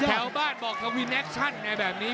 แถวบ้านบอกวินแอคชั่นแบบนี้